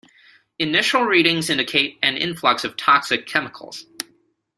Initial readings indicate an influx of toxic chemicals.